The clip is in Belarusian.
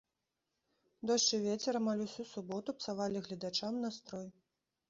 Дождж і вецер амаль усю суботу псавалі гледачам настрой.